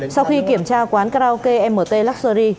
sau khi kiểm tra quán karaoke mt luxury